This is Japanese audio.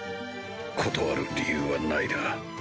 断る理由はないな